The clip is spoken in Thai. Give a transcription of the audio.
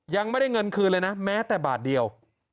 ยังไม่ได้เงินคืนเลยนะแม้แต่บาทเดียว